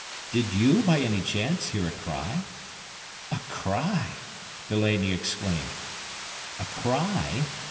Did you by any chance hear a cry?' "'A cry!' Delaney exclaimed. 'A cry?